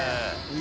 い